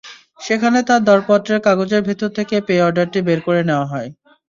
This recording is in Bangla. সেখানে তাঁর দরপত্রের কাগজের ভেতর থেকে পে-অর্ডারটি বের করে নেওয়া হয়।